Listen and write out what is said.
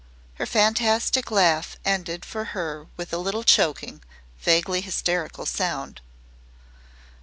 Her fantastic laugh ended for her with a little choking, vaguely hysteric sound.